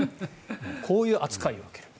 こういう扱いを受ける。